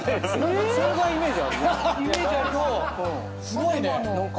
すごいね。